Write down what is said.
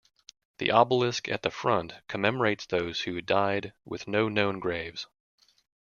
The obelisk at the front commemorates those who died with no known graves.